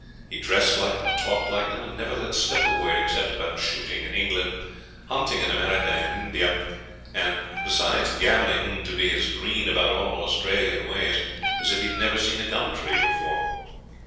He dressed like them, talked like them, and never let slip a word except about shooting in England, hunting in America and India, besides gammoning to be as green about all Australian ways as if he'd never seen a gum tree before.